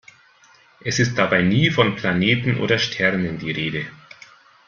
Es ist dabei nie von Planeten oder Sternen die Rede.